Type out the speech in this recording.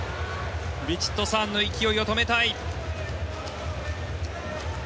ヴィチットサーンの勢いを止めたい。